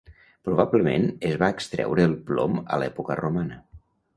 Probablement es va extreure el plom a l'època romana.